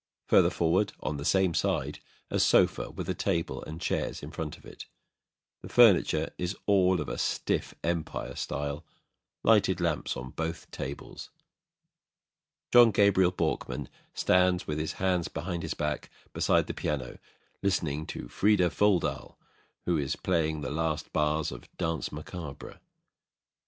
Further forward on the same side, a sofa with a table and chairs in front of it. The furniture is all of a stiff Empire style. Lighted lamps on both tables. JOHN GABRIEL BORKMAN stands with his hands behind his back, beside the piano, listening to FRIDA FOLDAL, who is playing the last bars of the "Danse Macabre."